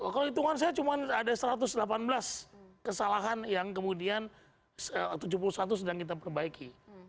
kalau hitungan saya cuma ada satu ratus delapan belas kesalahan yang kemudian tujuh puluh satu sedang kita perbaiki